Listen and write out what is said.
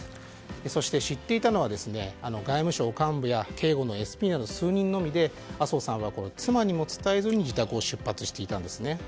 そして知っていたのは外務省幹部や警護のＳＰなど数人のみで麻生さんは妻にも伝えずに自宅を出発していたんです。